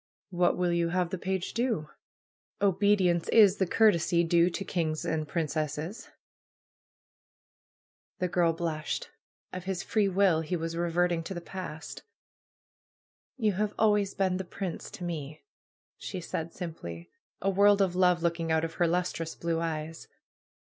'^What will you have the page do? ^Obedience is the courtesy due to kings' and princesses !" The girl blushed. Of his free will he was reverting to the past. ^^You have always been The prince' to me," she said simply, a world of love looking out of her lustrous blue eyes.